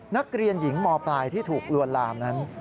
นักเรียนหญิงมปลายที่ถูกลวนลามนั้น